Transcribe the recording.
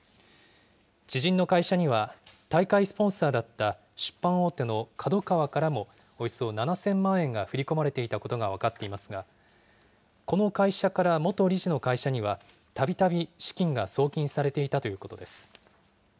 知人の会社には大会スポンサーだった出版大手のＫＡＤＯＫＡＷＡからも、およそ７０００万円が振り込まれていたことが分かっていますが、この会社から元理事の会社には、たびたび資金が送金されていたということです。